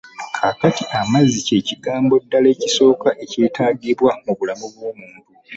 Kaakati amazzi kye kigambo ddala ekisooka ekyetaagibwa mu bulamu obulungi